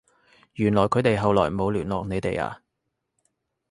原來佢哋後來冇聯絡你哋呀？